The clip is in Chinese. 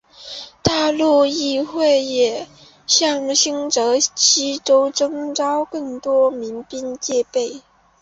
大陆议会也向新泽西州征召更多民兵戒备。